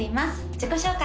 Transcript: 自己紹介